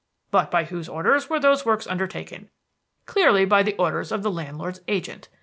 But by whose orders were those works undertaken? Clearly by the orders of the landlord's agent.